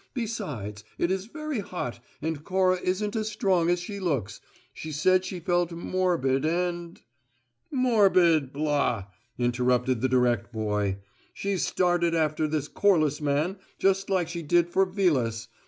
"Besides, it is very hot, and Cora isn't as strong as she looks. She said she felt morbid and " "Morbid? Blah!" interrupted the direct boy. "She's started after this Corliss man just like she did for Vilas.